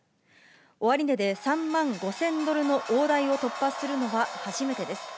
終値で３万５０００ドルの大台を突破するのは初めてです。